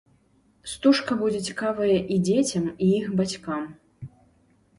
Стужка будзе цікавая і дзецям, і іх бацькам.